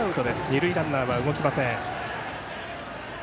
二塁ランナーは動きません。